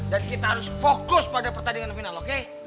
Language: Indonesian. dan kita harus fokus pada pertandingan final oke